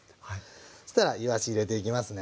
そしたらいわし入れていきますね。